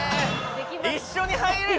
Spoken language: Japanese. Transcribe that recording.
一緒に入れる？